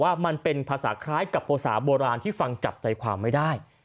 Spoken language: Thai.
ว่ามันเป็นภาษาคล้ายกับภาษาโบราณที่ฟังจับใจความไม่ได้